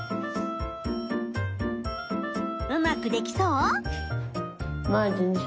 うまくできそう？